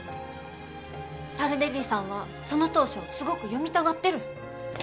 タルデッリさんはその投書をすごく読みたがってる。